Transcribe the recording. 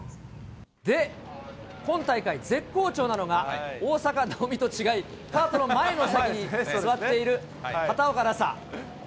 で、今大会、絶好調なのが、大坂なおみと違い、カートの前の席に座っている畑岡奈紗。